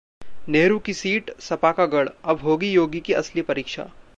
नेहरू की सीट, सपा का गढ़, अब होगी योगी की असली परीक्षा